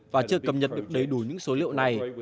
và chưa cầm nhận được đầy đủ những số liệu này